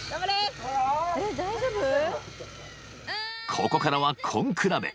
［ここからは根比べ］